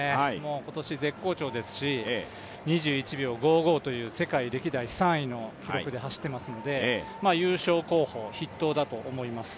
今年絶好調ですし、２１秒５５という世界歴代３位の記録で走っていますので優勝候補筆頭だと思います。